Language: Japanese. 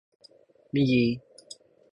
ミギー